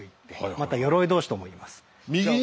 また鎧通しともいいます。